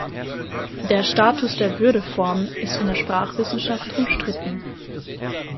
Der "Status der „Würde-Form“" ist in der Sprachwissenschaft umstritten.